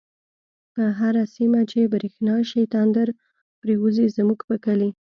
په هر سيمه چی بريښنا شی، تندر پر يوزی زموږ په کلی